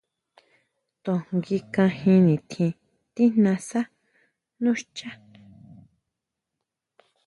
To nguí kanjin nitjín tijnasa nú xchá.